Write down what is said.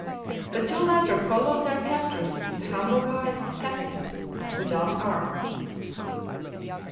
The two latter followed their captors in the humble guise of captives, without arms.